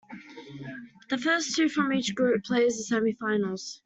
The first two from each group play the semifinals.